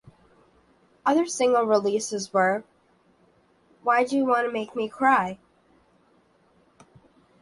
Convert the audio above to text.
Other single releases were Why'd You Wanna Make Me Cry?